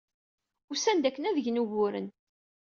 Usan-d akken ad d-gen uguren.